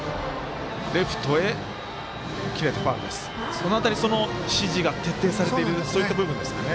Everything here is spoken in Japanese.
その辺り、指示が徹底されているそういった部分ですかね。